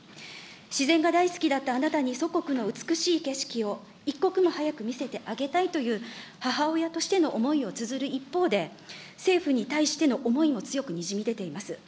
自然が大好きだったあなたに、祖国の美しい景色を一刻も早く見せてあげたいという、母親としての思いをつづる一方で、政府に対しての思いも強くにじみ出ています。